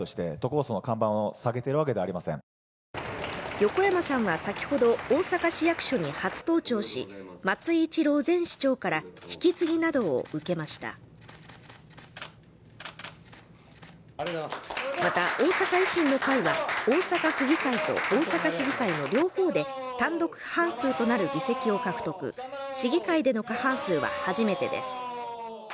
横山さんは先ほど大阪市役所に初登庁し、松井一郎前市長から引き継ぎなどを受けましたまた、大阪維新の会は大阪府議会と大阪市議会の両方で単独半数となる議席を獲得し議会での過半数は初めてです。